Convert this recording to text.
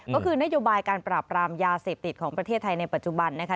ก็คือนโยบายการปราบรามยาเสพติดของประเทศไทยในปัจจุบันนะคะ